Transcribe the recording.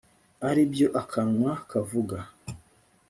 ari byo akanwa kavuga